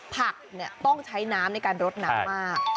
ผักต้องใช้น้ำในการรดน้ำมาก